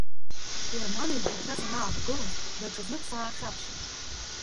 Ермана иқьаԥҭа санаақәгылоз, даҽазнык саахьаԥшит…